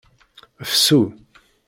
Fsu.